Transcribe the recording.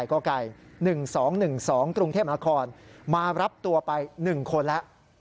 ก๑๒๑๒กรุงเทพนครมารับตัวไป๑คนแล้ว